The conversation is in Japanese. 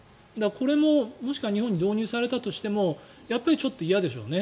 これも日本に導入されたとしてもやっぱりちょっと嫌ですね。